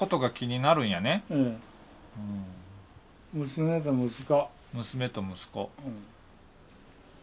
娘と息子。